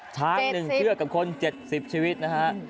ช้างหนึ่งเชือกกับคน๗๐ชีวิตนะครับ